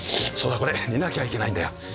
そうだこれ煮なきゃいけないんだよ。